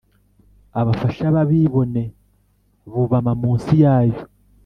abafasha b’abibone bubama munsi yayo